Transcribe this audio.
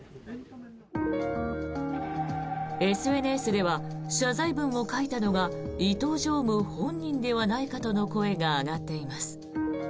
ＳＮＳでは謝罪文を書いたのが伊東常務本人ではないかとの声が上がっています。